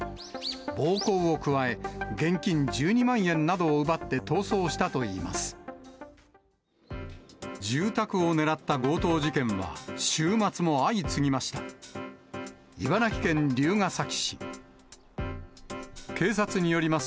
暴行を加え、現金１２万円などを奪って逃走したといいます。